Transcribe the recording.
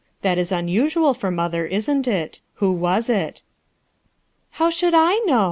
That is unusual for mother, isn't it? Who was it?" "How should I know?